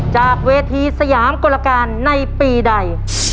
จากเวทีสยามกลการในปีใด